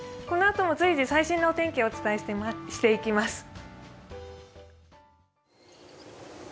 このあとも随時最新のお天気をお伝えしていきます。